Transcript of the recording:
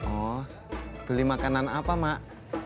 oh beli makanan apa mak